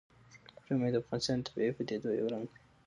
ژمی د افغانستان د طبیعي پدیدو یو رنګ دی.